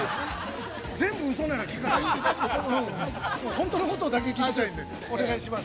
◆本当のことだけ聞きたいんで、お願いします。